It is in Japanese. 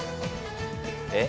えっ？